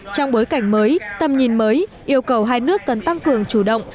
trong bối cảnh mới tầm nhìn mới yêu cầu hai nước cần tăng cường chủ động